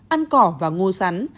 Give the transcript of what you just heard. ăn cỏ và ngô sắn